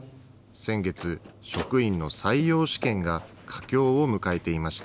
先月、職員の採用試験が佳境を迎えていました。